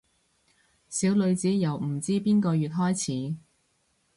小女子由唔知邊個月開始